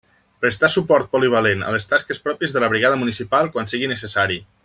Prestar suport polivalent a les tasques pròpies de la Brigada municipal quan sigui necessari.